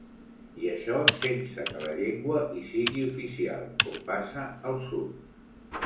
I això sense que la llengua hi sigui oficial, com passa al sud.